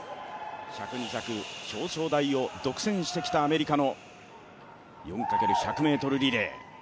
１００、２００、表彰台を独占してきたアメリカの４×１００ｍリレー。